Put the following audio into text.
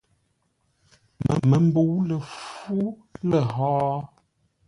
Məmbəu lə fú lə̂ hó?̂.